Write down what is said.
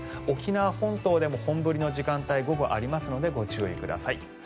沖縄本島でも本降りの時間帯が午後ありますのでご注意ください。